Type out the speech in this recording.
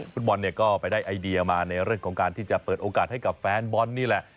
ฟุตบอลเนี่ยก็ไปได้ไอเดียมาในเรื่องของการที่จะเปิดโอกาสให้กับแฟนบอลนี่แหละ